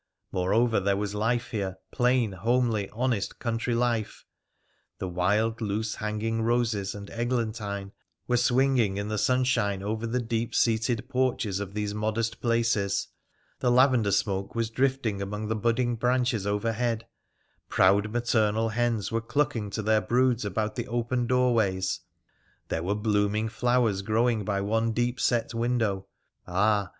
Moreover, there was life here, plain, homely, honest country life. The wild loose hanging roses and eglantine were swinging in the sunshine over the deep seated porches of these modest places ; the lavender smoke was drifting among the budding branches overhead, proud maternal hens were clucking to their broods about the open doorways ; there were blooming flowers growing by one deep set window, — ah